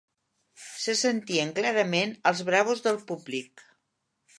Se sentien clarament els bravos del públic.